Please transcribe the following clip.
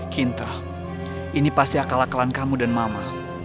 kinta ini pasti akal akalan kamu dan mama